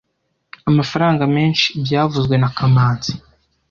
amafaranga menshi byavuzwe na kamanzi